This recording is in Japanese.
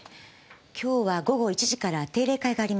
今日は午後１時から定例会がありました。